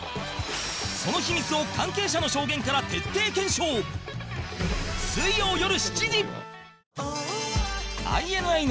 その秘密を関係者の証言から徹底検証水曜よる７時